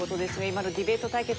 今のディベート対決